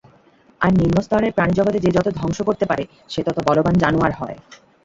আর নিম্নস্তরের প্রাণিজগতে যে যত ধ্বংস করতে পারে, সে তত বলবান জানোয়ার হয়।